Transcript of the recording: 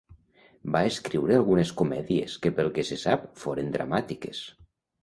Va escriure algunes comèdies que pel que se sap foren dramàtiques.